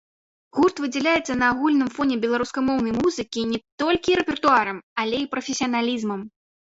Гурт выдзяляецца на агульным фоне беларускамоўнай музыкі не толькі рэпертуарам, але і прафесіяналізмам.